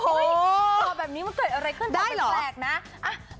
โอ้โหตัวแบบนี้มันเกิดอะไรขึ้นเป็นแปลกนะได้หรอ